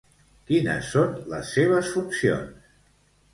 Quines són les seves funcions?